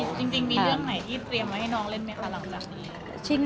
จริงมีเรื่องไหนที่เตรียมไว้ให้น้องเล่นไหมคะหลังจากนี้